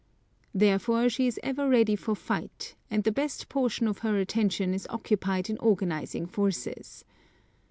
Therefore she is ever ready for fight, and the best portion of her attention is occupied in organising forces.